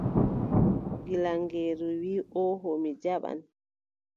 Gilaŋeeru wii: ooho mi jaɓan.